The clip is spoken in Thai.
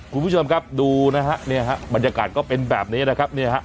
คุณผู้ชมครับดูนะครับบรรยากาศก็เป็นแบบนี้นะครับ